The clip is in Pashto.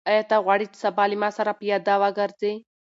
آیا ته غواړې چې سبا له ما سره پیاده وګرځې؟